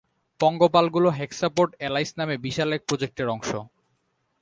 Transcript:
পঙ্গপালগুলো hexapod এলাইস নামে বিশাল এক প্রোজেক্টের অংশ।